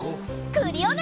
クリオネ！